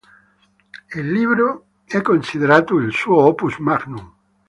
Il libro è considerato il suo opus magnum.